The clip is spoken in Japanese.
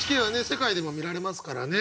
世界でも見られますからね。